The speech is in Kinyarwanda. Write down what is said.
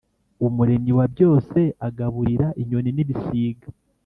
umuremyi wa byose agaburira inyoni n’ibisiga